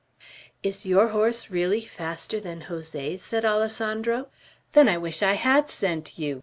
"Is your horse really faster than Jose's?" said Alessandro. "Then I wish I had sent you.